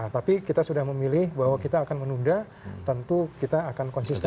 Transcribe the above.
tapi kita sudah memilih bahwa kita akan menunda tentu kita akan konsisten